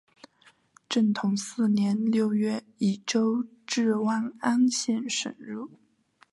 正统四年六月以州治万安县省入。